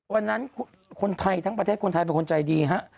วันนั้นคนไทยทั้งประเทศคนไทยเป็นคนใจดีฮะ